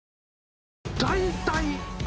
大体。